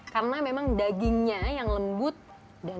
karena memang dagingnya yang lembut dan kuahnya yang